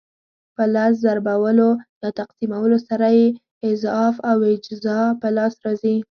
په لس ضربولو یا تقسیمولو سره یې اضعاف او اجزا په لاس راځي.